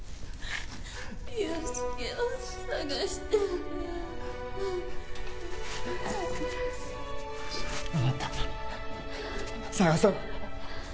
憂助を捜して分かった捜そう